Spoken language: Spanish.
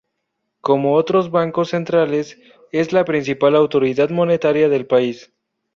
Como otros bancos centrales, es la principal autoridad monetaria del país.